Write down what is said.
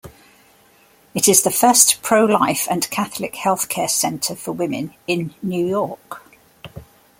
It is the first pro-life and Catholic healthcare center for women in New York.